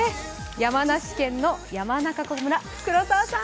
山梨県山中湖村、黒澤さん。